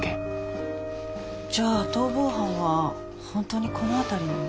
じゃあ逃亡犯は本当にこの辺りに。